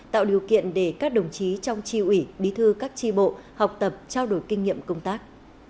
tạo điều kiện để các đồng chí trong tri ủy bí thư các tri bộ học tập trao đổi kinh nghiệm công tác